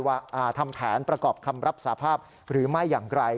ทำแผนประกอบคำรับสาภาพหรือไม่อย่างไร